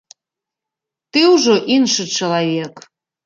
Ты ўжо іншы чалавек.